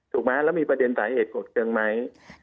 ถูกไหมแล้วมีประเด็นสาเหตุเกิดจึงไหม